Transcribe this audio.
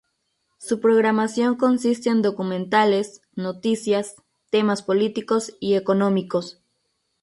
Su programación consiste en documentales, noticias, temas políticos y económicos.